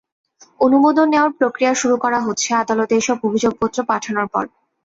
অনুমোদন নেওয়ার প্রক্রিয়া শুরু করা হচ্ছে আদালতে এসব অভিযোগপত্র পাঠানোর পর।